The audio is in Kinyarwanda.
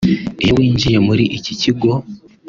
Iyo winjiye muri iki kigo